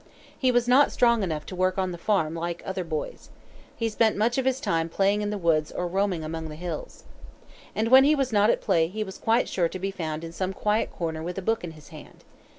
He was not strong enough to work on the farm like other boys. He spent much of his time playing in the woods or roaming among the hills. And when he was not at play he was quite sure to be found in some quiet corner with a book in his hand.